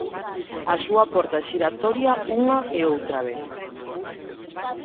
A súa porta xiratoria unha e outra vez.